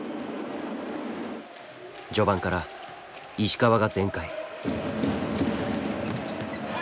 序盤から石川が全開。